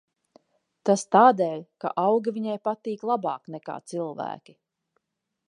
Tas tādēļ, ka augi viņai patīk labāk nekā cilvēki.